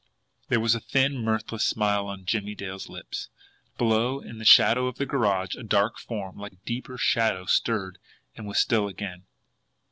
There was a thin, mirthless smile on Jimmie Dale's lips. Below, in the shadow of the garage, a dark form, like a deeper shadow, stirred and was still again.